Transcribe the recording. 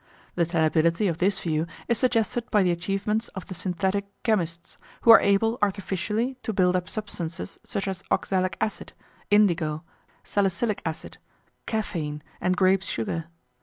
The tenability of this view is suggested by the achievements of the synthetic chemists, who are able artificially to build up substances such as oxalic acid, indigo, salicylic acid, caffeine, and grape sugar.